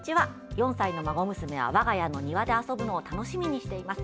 ４歳の孫娘は我が家の庭で遊ぶのを楽しみにしています。